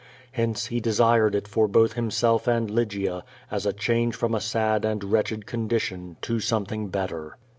Hence, he desired it for both himself and Lygia, as a change from a sad and wretched condition to something better.